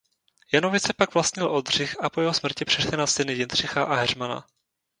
Janovice pak vlastnil Oldřich a po jeho smrti přešly na syny Jindřicha a Heřmana.